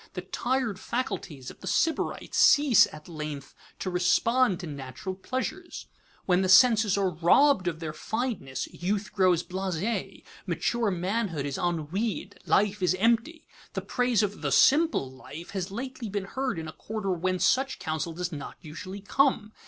The tired faculties of the Sybarite cease at length to respond to natural pleasures. When the senses are robbed of their fineness, youth grows blasé, mature manhood is ennuied, life is empty. The praise of "the simple life" has lately been heard in a quarter whence such counsel does not usually come.